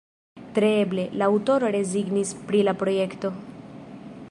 Tre eble, la aŭtoro rezignis pri la projekto.